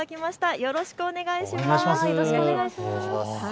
よろしくお願いします。